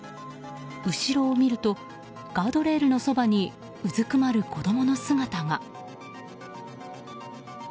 後ろを見るとガードレールのそばにうずくまる子供の姿が。